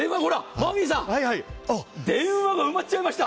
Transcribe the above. マーフィーさん電話が埋まっちゃいました。